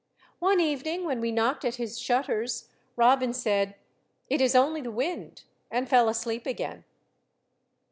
One evening, when we knocked at his shutters, Robin said, " It is only the wind," and fell asleep again.